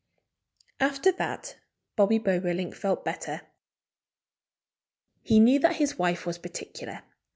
After that Bobby Bobolink felt better. He knew that his wife was particular.